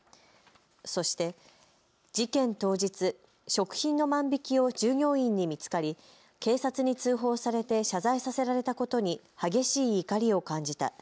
そして事件当日、食品の万引きを従業員に見つかり警察に通報されて謝罪させられたことに激しい怒りを感じた。